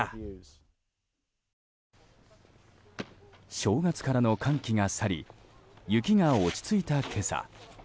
正月からの寒気が去り雪が落ち着いた今朝。